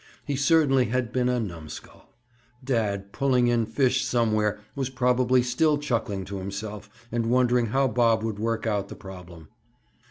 He certainly had been a numskull. Dad, pulling in fish somewhere, was probably still chuckling to himself, and wondering how Bob would work out the problem.